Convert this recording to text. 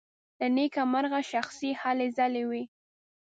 له نېکه مرغه شخصي هلې ځلې وې.